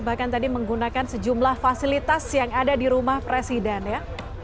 bahkan tadi menggunakan sejumlah fasilitas yang ada di rumah presiden ya